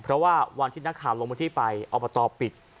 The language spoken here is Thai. เพราะว่าวันที่นักข่าวลงพื้นที่ไปอบตปิด